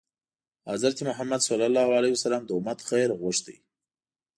حضرت محمد ﷺ د امت خیر غوښت.